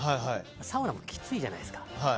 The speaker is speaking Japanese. サウナもきついじゃないですか。